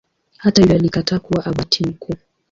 Hata hivyo alikataa kuwa Abati mkuu.